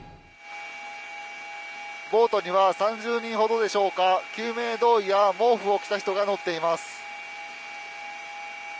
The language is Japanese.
ボートには３０人ほどでしょうか救命胴衣や毛布を着た人が乗っています。